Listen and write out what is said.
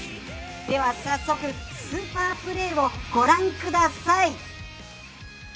では早速、スーパープレーをご覧ください。